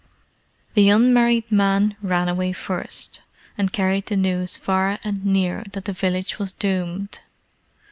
The unmarried men ran away first, and carried the news far and near that the village was doomed.